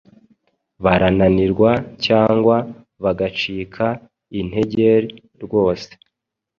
Barananirwa cyangwa bagacika integer rwose,